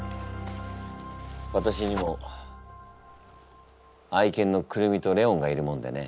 わたしにも愛犬のクルミとレオンがいるもんでね。